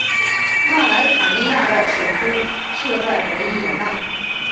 内莱塔尼亚的首都设在维也纳。